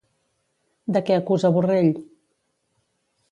De què acusa Borrell?